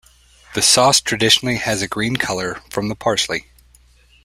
The sauce traditionally has a green colour, from the parsley.